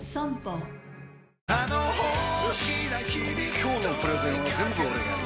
今日のプレゼンは全部俺がやる！